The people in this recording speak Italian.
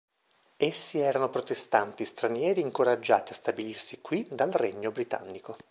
Essi erano protestanti stranieri incoraggiati a stabilirsi qui dal regno britannico.